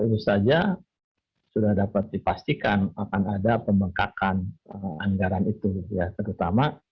itu saja sudah dapat dipastikan akan ada pembengkakan anggaran itu ya terutama